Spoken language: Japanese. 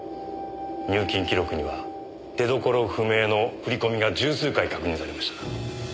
入金記録には出所不明の振り込みが十数回確認されました。